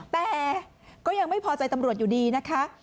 แต่ก็ยังไม่พอใจตำรวจอยู่ดีนะคะ